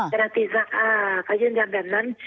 ก็เลยเมื่อเขายื่นยันแบบนั้น